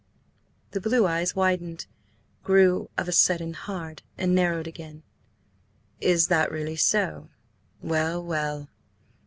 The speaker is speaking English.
The blue eyes widened, grew of a sudden hard, and narrowed again. "Is that really so? Well, well!